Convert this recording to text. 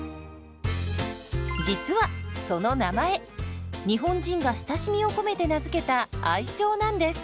実はその名前日本人が親しみを込めて名付けた愛称なんです。